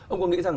ông có nghĩ rằng